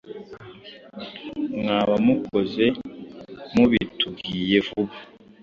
mwaba mukoze mubitubwiye vuba